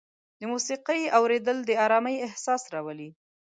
د موسیقۍ اورېدل د ارامۍ احساس راولي.